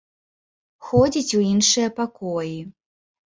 Ходзіць у іншыя пакоі.